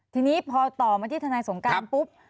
ทีนี้พอต่อมาที่ทนายสงการปุ๊บ